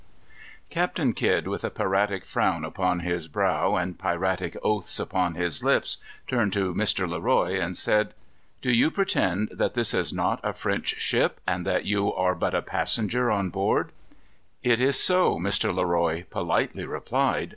Captain Kidd, with a piratic frown upon his brow, and piratic oaths upon his lips, turned to Mr. Le Roy and said: "Do you pretend that this is not a French ship, and that you are but a passenger on board?" "It is so," Mr. Le Roy politely replied.